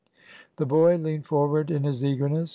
The boy leaned forward in his eagerness.